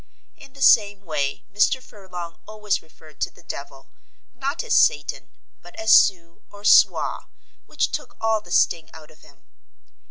In the same way Mr. Furlong always referred to the devil, not as Satan but as Su or Swa, which took all the sting out of him.